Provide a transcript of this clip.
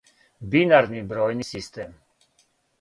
бинарни бројни систем